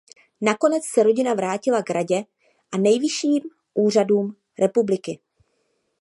Nakonec se rodina vrátila k radě a nejvyšším úřadům republiky.